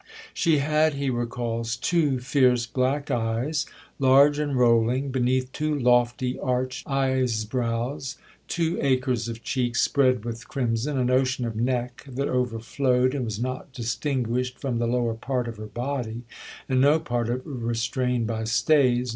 She had, he recalls, "two fierce black eyes, large and rolling, beneath two lofty arched eyesbrows; two acres of cheeks spread with crimson; an ocean of neck that overflowed and was not distingushed from the lower part of her body, and no part of it restrained by stays.